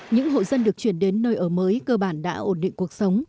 những hộ dân được chuyển đến nơi ở mới cơ bản đã ổn định cuộc sống